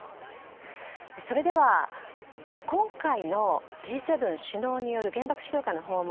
それでは、今回のＧ７首脳による原爆資料館の訪問